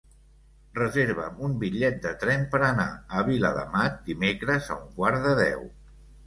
Reserva'm un bitllet de tren per anar a Viladamat dimecres a un quart de deu.